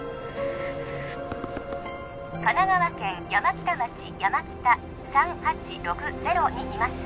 神奈川県山北町山北３８６０にいます